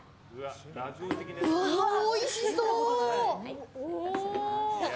うわー、おいしそう！